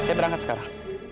saya berangkat sekarang